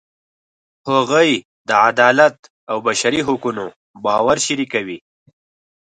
هغوی د عدالت او بشري حقونو باور شریکوي.